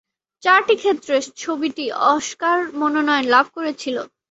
চারটি ক্ষেত্রে ছবিটি অস্কার মনোনয়ন লাভ করেছিল।